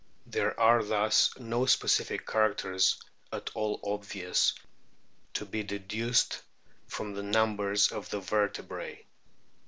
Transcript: There are thus no specific char acters at all obvious to be deduced from the numbers of the vertebrae.